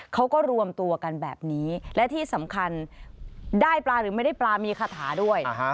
เขาก็รวมตัวกันแบบนี้และที่สำคัญได้ปลาหรือไม่ได้ปลามีคาถาด้วย